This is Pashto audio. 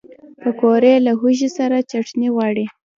پکورې له هوږې سره چټني غواړي